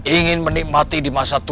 ingin menikmati di masyarakatku